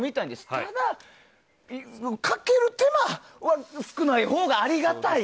ただ、かける手間は少ないほうがありがたい。